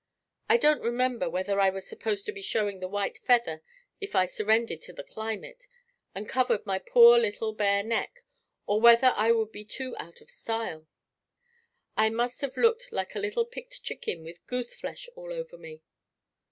I don't remember whether I was supposed to be showing the white feather if I surrendered to the climate and covered my poor little bare neck or whether I would be too out of style. I must have looked like a little picked chicken with goose flesh all over me.